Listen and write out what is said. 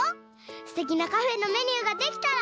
すてきなカフェのメニューができたら。